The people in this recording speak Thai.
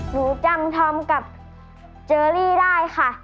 หนูจำธอมกับเจอรี่ได้ค่ะ